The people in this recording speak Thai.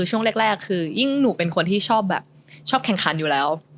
ช่วงแรกยิ่งหนูเป็นคนชอบแค่งคันอยู่แล้ว